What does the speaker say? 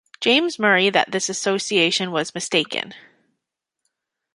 James Murray that this association was mistaken.